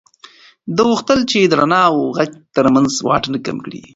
ده غوښتل چې د رڼا او غږ تر منځ واټن کم کړي.